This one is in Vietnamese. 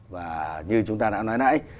và như chúng ta đã nói nãy